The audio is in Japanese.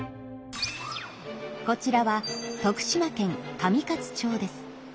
こちらは徳島県上勝町です。